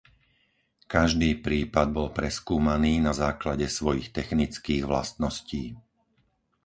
Každý prípad bol preskúmaný na základe svojich technických vlastností.